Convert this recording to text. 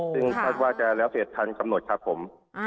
ซึ่งคาดว่าจะแล้วเสร็จทันกำหนดครับผม